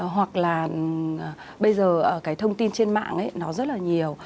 hoặc là bây giờ cái thông tin trên mạng ấy nó rất là nhiều